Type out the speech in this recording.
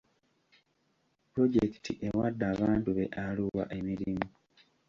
Pulojekiti ewadde abantu be Arua emirimu.